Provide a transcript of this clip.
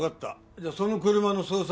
じゃあその車の捜索